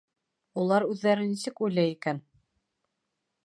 Улар үҙҙәре нисек уйлай икән?